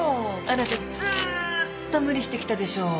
あなたずーっと無理してきたでしょう。